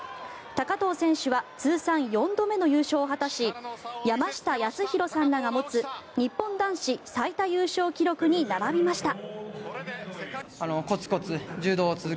高藤選手は通算４度目の優勝を果たし山下泰裕さんらが持つ日本男子最多優勝記録に並びました。